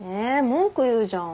文句言うじゃん。